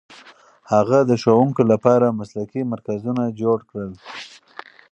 هغه د ښوونکو لپاره مسلکي مرکزونه جوړ کړل.